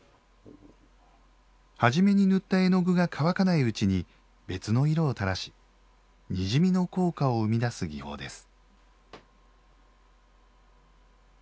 はじめに塗った絵の具が乾かないうちに別の色を垂らしにじみの効果を生み出す技法です。